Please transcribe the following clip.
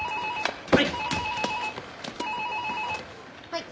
はい。